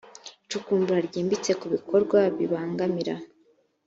icukumbura ryimbitse ku bikorwa bibangamira